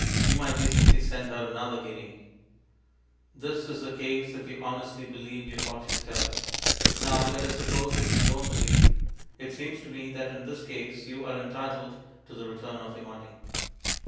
You might decently send her another guinea. This is the case if you honestly believe your fortune teller. Now let us suppose that you don't believe. It seems to me that in this case you are entitled to the return of your money.